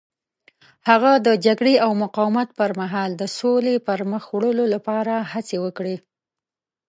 هغه د جګړې او مقاومت پر مهال د سولې پرمخ وړلو لپاره هڅې وکړې.